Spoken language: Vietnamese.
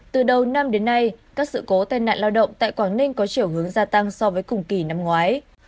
từ đầu năm đến nay các sự cố tai nạn lao động tại quảng ninh có chiều hướng gia tăng so với cùng kỳ năm ngoái